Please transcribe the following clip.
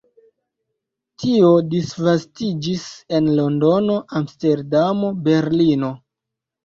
Tio disvastiĝis en Londono, Amsterdamo, Berlino.